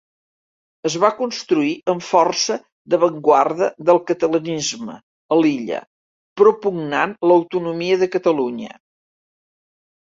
Es va constituir en força d’avantguarda del catalanisme a l’illa, propugnant l’autonomia de Catalunya.